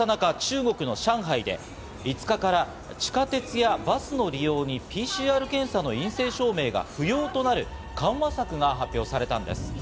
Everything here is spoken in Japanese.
こうした中、中国の上海で５日から地下鉄やバスの利用にＰＣＲ検査の陰性証明が不要となる緩和策が発表されたんです。